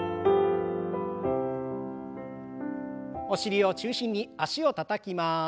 お尻を中心に脚をたたきます。